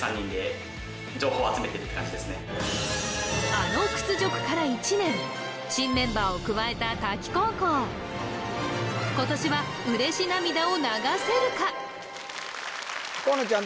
あの屈辱から１年新メンバーを加えた滝高校今年は嬉し涙を流せるか河野ちゃん